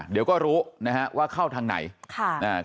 เดี๋ยวก็รู้ว่าเข้าทางไหน